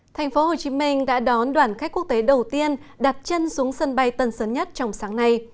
thành phố hồ chí minh đã đón đoàn khách quốc tế đầu tiên đặt chân xuống sân bay tân sớn nhất trong sáng nay